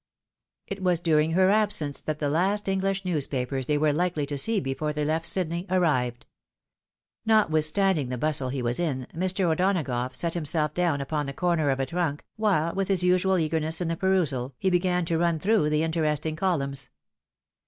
It was during her absence that the last English newspapers they were likely to see before they left Sydney, arrived. Not withstanding the bustle he was in, Mr. O'Donagough set him self down upon the corner of a trunk, while, with his usual eagerness in the perusal, he began to run through the interesting columns.